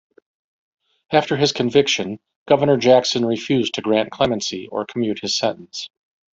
After his conviction, Governor Jackson refused to grant clemency or commute his sentence.